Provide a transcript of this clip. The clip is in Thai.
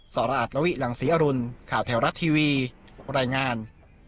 สอราชละวิหลังศรีอรุณข่าวแถวรัตน์ทีวีรายงาน